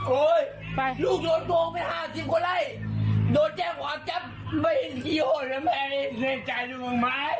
โอ้ยลูกโดนโตงเป็นห้าสิบคนไร้โดนแจ้งขวาจับไม่เห็นที่โหดแล้วแม่เองแน่ใจด้วยมันไหม